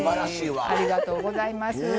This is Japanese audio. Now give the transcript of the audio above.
ありがとうございます。